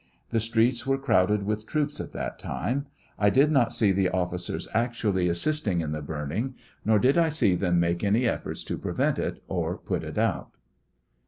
The streets were crowded with troops at that time. I did not see the 22 oflSeers actually assisting in the burning, nor did I see them make any efforts to prevent it or put it ou t.